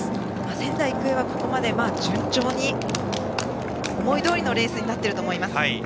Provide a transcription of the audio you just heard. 仙台育英はここまで順調に思いどおりのレースになっていると思います。